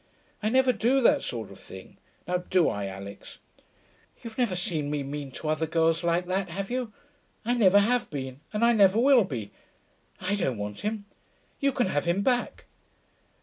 I never do that sort of thing. Now do I, Alix? You've never seen me mean to other girls like that, have you? I never have been and I never will be.... I don't want him. You can have him back.'